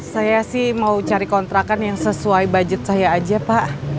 saya sih mau cari kontrakan yang sesuai budget saya aja pak